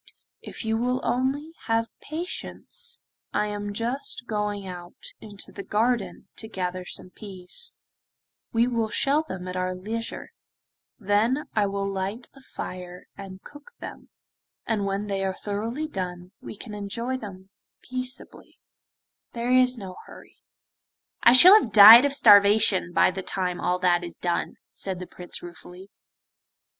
'If you will only have patience I am just going out into the garden to gather some peas: we will shell them at our leisure, then I will light a fire and cook them, and when they are thoroughly done, we can enjoy them peaceably; there is no hurry.' 'I shall have died of starvation by the time all that is done,' said the Prince ruefully.